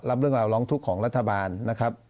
รับเรื่องราวร้องทุกข์ของรัฐบาลนะครับ